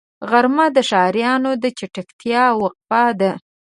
غرمه د ښاريانو د چټکتیا وقفه ده